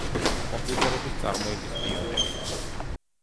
კომპიუტერების წარმოების პიონერი.